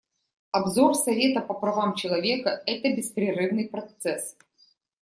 Обзор Совета по правам человека — это беспрерывный процесс.